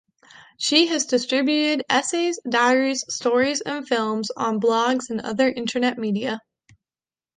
She has distributed essays, diaries, stories and films on blogs and other Internet media.